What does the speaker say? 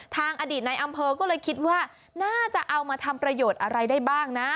ทางอดีตในอำเภอก็เลยคิดว่าน่าจะเอามาทำประโยชน์อะไรได้บ้างนะ